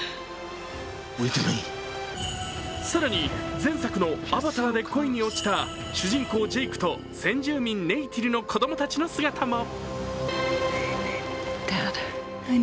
更に、前作の「アバター」で恋に落ちた主人公・ジェイクと先住民・ネイティリの子供たちの姿も。